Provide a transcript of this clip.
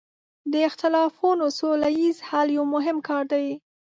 د اختلافونو سوله ییز حل یو مهم کار دی.